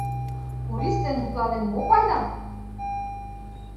Порис дене мутланен, мо пайда.